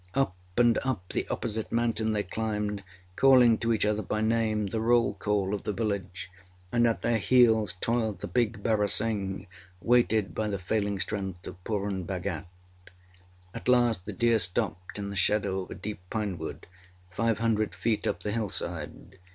Up and up the opposite mountain they climbed, calling to each other by name the roll call of the village and at their heels toiled the big barasingh, weighted by the failing strength of Purun Bhagat. At last the deer stopped in the shadow of a deep pinewood, five hundred feet up the hillside.